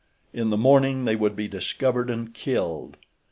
In the morning they would be discovered and killed.